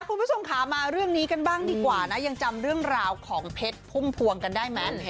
คุณผู้ชมค่ะมาเรื่องนี้กันบ้างดีกว่านะยังจำเรื่องราวของเพชรพุ่มพวงกันได้ไหม